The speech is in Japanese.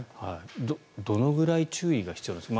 どのくらい注意が必要なんですか？